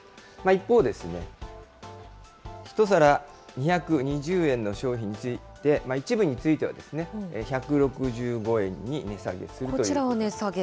一方、１皿２２０円の商品について、一部については１６５円に値下げすると。